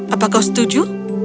apa kau setuju